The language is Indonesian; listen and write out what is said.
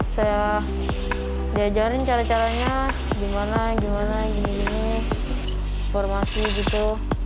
saya diajarin caranya gimana gimana gini gini informasi gitu